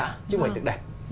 chứ không phải tự đẹp